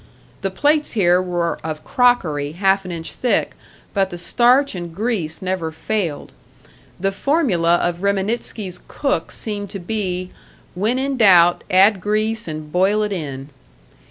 The plates here were of crockery half an inch thick, but the starch and grease never failed; the formula of Reminitsky's cook seemed to be, When in doubt add grease, and boil it in.